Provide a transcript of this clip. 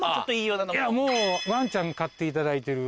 もうワンちゃん飼っていただいてる